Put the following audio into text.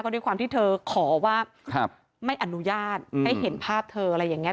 ด้วยความที่เธอขอว่าไม่อนุญาตให้เห็นภาพเธออะไรอย่างนี้